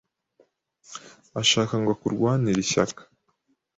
ashaka ngo akurwanire ishyaka,